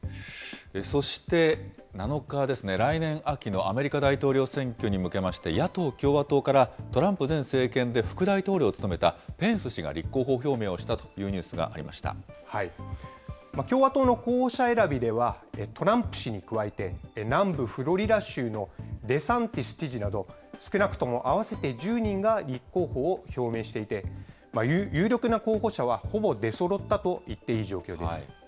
そして、７日ですね、来年秋のアメリカ大統領選挙に向けまして、野党・共和党から、トランプ前政権で副大統領を務めたペンス氏が立候補表明をしたと共和党の候補者選びでは、トランプ氏に加えて、南部フロリダ州のデサンティス知事など、合わせて１０人が立候補を表明していて、有力な候補者はほぼ出そろったと言っていい状況です。